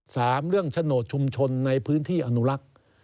สามเรื่องโฉนดชุมชนในพื้นที่อนุรักษ์